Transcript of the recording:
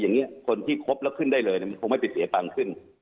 อย่างนี้คนที่ครบแล้วขึ้นได้เลยมันคงไม่ไปเสียตังค์ขึ้น